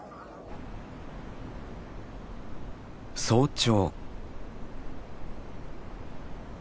早朝。